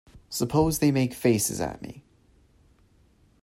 Suppose they make faces at me.